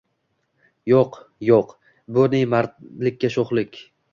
Yoʼq, yoʼq bu ne mardlikka shoʼxlik